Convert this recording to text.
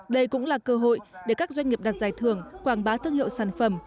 đây cũng là cơ hội để các doanh nghiệp đặt giải thưởng quảng bá thương hiệu sản phẩm